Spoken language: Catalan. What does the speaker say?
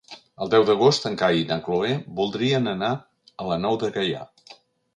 El deu d'agost en Cai i na Cloè voldrien anar a la Nou de Gaià.